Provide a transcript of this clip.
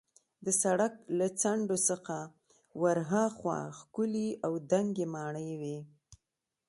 د سړک له څنډو څخه ورهاخوا ښکلې او دنګې ماڼۍ وې.